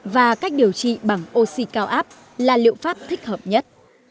và cách điều trị bằng oxy cao áp là liệu pháp thích hợp nhất